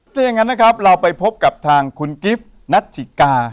ถ้าอย่างนั้นนะครับเราไปพบกับทางคุณกิฟต์นัทจิกา